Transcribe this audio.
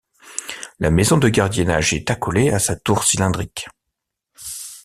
La maison de gardiennage est accolée à sa tour cylindrique.